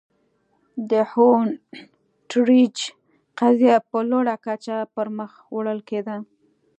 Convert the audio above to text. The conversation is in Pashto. د هونټریج قضیه په لوړه کچه پر مخ وړل کېده.